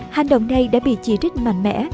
hành động này đã bị chỉ trích mạnh mẽ